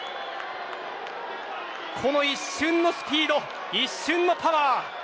この一瞬のスピード一瞬のパワー。